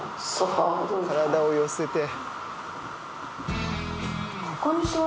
体を寄せて。